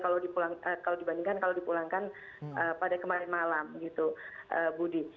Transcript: kalau dibandingkan kalau dipulangkan pada kemarin malam gitu budi